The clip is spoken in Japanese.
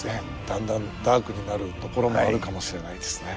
だんだんダークになるところもあるかもしれないですね。